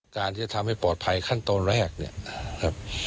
การที่จะทำให้ปลอดภัยขั้นตอนแรกเนี่ยครับ